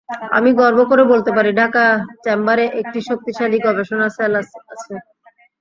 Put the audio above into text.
আমি গর্ব করে বলতে পারি, ঢাকা চেম্বারে একটি শক্তিশালী গবেষণা সেল আছে।